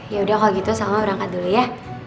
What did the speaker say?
yaudah kalo gitu salma berangkat dulu ya